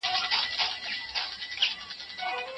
د واده مراسم لنډ نه وي.